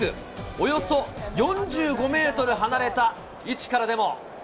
およそ４５メートル離れた位置からでも。